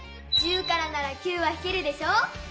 １０からなら９はひけるでしょ？